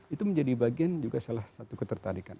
itu menjadi bagian juga salah satu ketertarikan